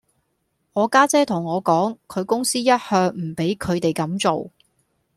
我家姐同我講，佢公司一向唔俾佢地咁做